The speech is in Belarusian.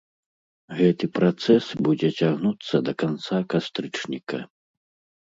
Гэты працэс будзе цягнуцца да канца кастрычніка.